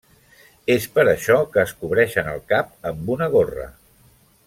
És per això que es cobreixen el cap amb una gorra.